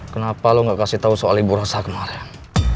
kenapa lo gak kasih tau soal ibu rosa kemarin